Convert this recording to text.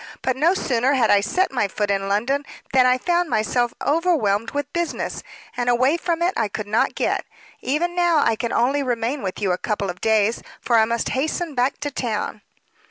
"But no sooner had I set my foot in London than I found myself overwhelmed with business, and away from it I could not get. Even now I can only remain with you a couple of days, for I must hasten back to town."